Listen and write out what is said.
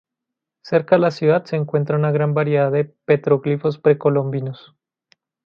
Cerca a la ciudad se encuentra una gran variedad de petroglifos precolombinos.